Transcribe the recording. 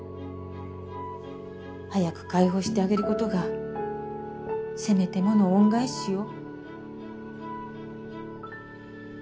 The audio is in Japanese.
早く解放してあげることがせめてもの恩返しよ。